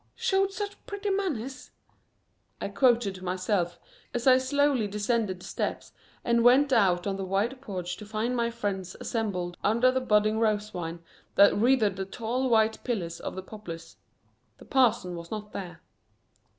Showed such pretty manners!" I quoted to myself as I slowly descended the steps and went out on the wide porch to find my friends assembled under the budding rose vine that wreathed the tall white pillars of the Poplars. The parson was not there.